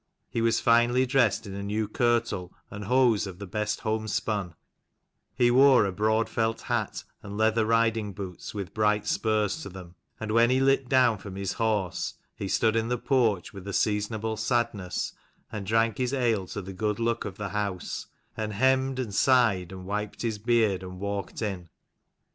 He was finely dressed in a new kirtle and hose of the best homespun : he wore a broad felt hat, and leather riding boots with bright spurs to them : and when he lit down from his horse, he stood in the porch with a seasonable sadness, and drank his ale to the good luck of the house, and hemmed, and sighed, and wiped his beard, and walked in.